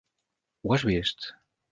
Ho has vist?